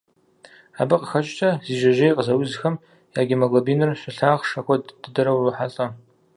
Абы къыхэкӏкӏэ, зи жьэжьей къызэузхэм я гемоглобиныр щылъахъшэ куэд дыдэрэ урохьэлӏэ.